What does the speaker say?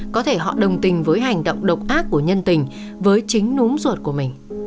có thể họ đồng tình với hành động độc ác của nhân tình với chính núng ruột của mình